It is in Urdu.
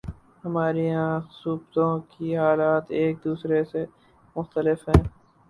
ہمارے ہاں صوبوں کے حالات ایک دوسرے سے مختلف ہیں۔